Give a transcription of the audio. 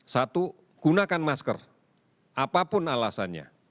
satu gunakan masker apapun alasannya